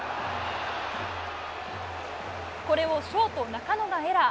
これをショート中野がエラー。